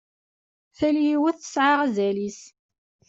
Tal yiwet tesɛa azal-is.